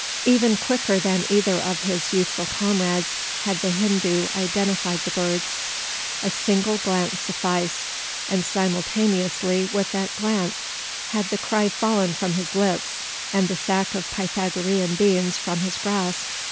Even quicker than either of his youthful comrades had the Hindoo identified the birds. A single glance sufficed, and simultaneously with that glance had the cry fallen from his lips, and the sack of Pythagorean beans from his grasp.